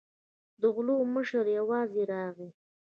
د غلو مشر یوازې راغی.